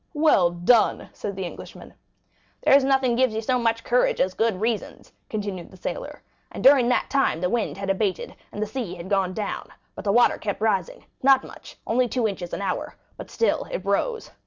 "Well done!" said the Englishman. 20043m "There's nothing gives you so much courage as good reasons," continued the sailor; "and during that time the wind had abated, and the sea gone down, but the water kept rising; not much, only two inches an hour, but still it rose.